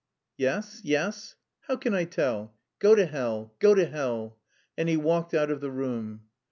"Yes? Yes?" "How can I tell?... Go to hell. Go to hell." And he walked out of the room.